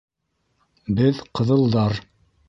— Беҙ — ҡыҙылдар.